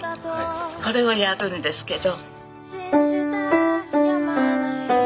これをやるんですけど。